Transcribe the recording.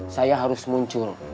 saya harus muncul